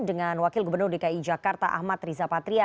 dengan wakil gubernur dki jakarta ahmad rizapatria